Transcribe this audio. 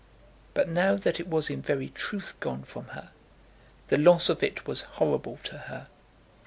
But now that it was in very truth gone from her, the loss of it was horrible to her.